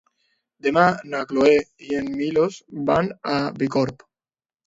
Demà na Cloè i en Milos van a Bicorb.